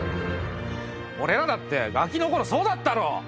俺らだってガキの頃そうだったろ？